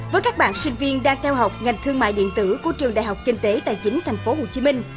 với các bạn sinh viên đang theo học ngành thương mại điện tử của trường đại học kinh tế tài chính tp hcm